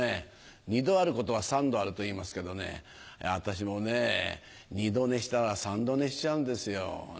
二度あることは三度あるといいますけどね私も二度寝したら三度寝しちゃうんですよ。